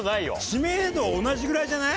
知名度は同じぐらいじゃない？